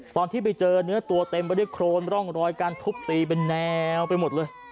ตอนที่ไปเจอเนื้อตัวเต็มไปด้วยโครนร่องรอยการทุบตีเป็นแนวไปหมดเลย